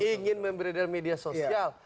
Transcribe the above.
ingin membreadel media sosial